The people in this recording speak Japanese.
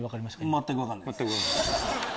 全く分かんないです。